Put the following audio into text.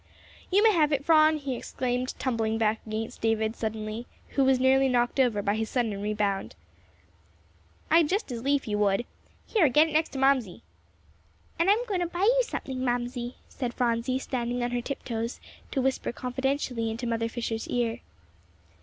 "You may have it, Phron!" he exclaimed, tumbling back against David suddenly, who was nearly knocked over by his sudden rebound. "I'd just as lief you would. Here, get in next to Mamsie." "And I'm going to buy you something, Mamsie," said Phronsie, standing on her tiptoes to whisper confidentially into Mother Fisher's ear.